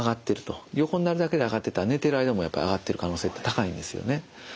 横になるだけで上がってたら寝てる間も上がってる可能性って高いんですよね。